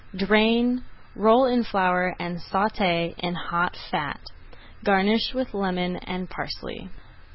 Drain, roll in flour, and sauté in hot fat. Garnish with lemon and parsley.